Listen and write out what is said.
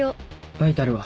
バイタルは？